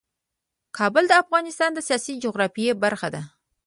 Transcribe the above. کابل د افغانستان د سیاسي جغرافیه برخه ده.